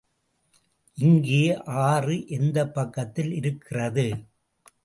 இங்கே ஆறு எந்தப் பக்கத்திலே இருக்கிறது?